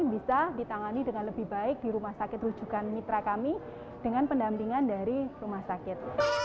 bisa ditangani dengan lebih baik di rumah sakit rujukan mitra kami dengan pendampingan dari rumah sakit